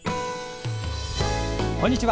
こんにちは。